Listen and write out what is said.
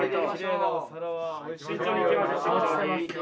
慎重にいきましょう慎重に。